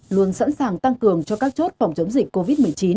luôn sẵn sàng tăng cường cho các chốt phòng chống dịch covid một mươi chín